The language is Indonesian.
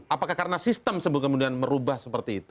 apakah karena sistem kemudian merubah seperti itu